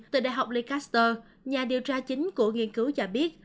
từ đại học lekaster nhà điều tra chính của nghiên cứu cho biết